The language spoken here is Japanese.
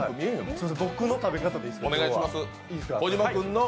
僕の食べ方でいいですか？